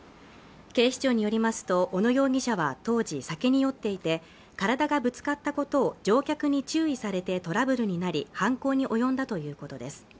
警視庁によりますと小野容疑者は当時酒に酔っていて体がぶつかったことを乗客に注意されてトラブルになり犯行に及んだということです